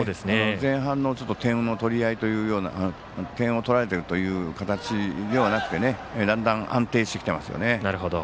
前半の点を取られているという形ではなくてだんだん、安定してきてますね。